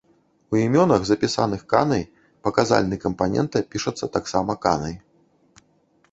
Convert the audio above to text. У імёнах, запісаных канай, паказальны кампанента пішацца таксама канай.